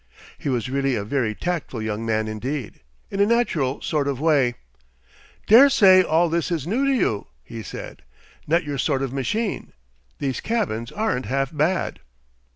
He was really a very tactful young man indeed, in a natural sort of way. "Daresay all this is new to you," he said; "not your sort of machine. These cabins aren't half bad."